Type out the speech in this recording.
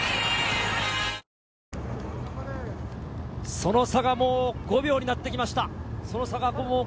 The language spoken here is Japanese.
その差が５秒になってきました。